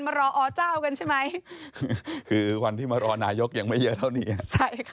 รออเจ้ากันใช่ไหมคือวันที่มารอนายกยังไม่เยอะเท่านี้อ่ะใช่ค่ะ